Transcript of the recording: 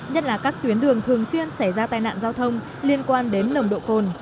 nhất là các tuyến đường thường xuyên xảy ra tai nạn giao thông liên quan đến nồng độ cồn